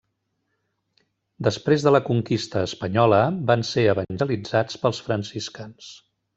Després de la conquista espanyola, van ser evangelitzats pels franciscans.